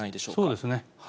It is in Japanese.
そうですね。